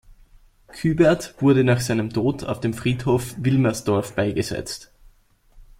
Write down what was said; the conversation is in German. Kuebart wurde nach seinem Tod auf dem Friedhof Wilmersdorf beigesetzt.